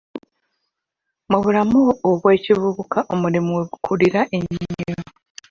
Mu bulamu obw'ekivubuka omubiri we gukulira ennyo.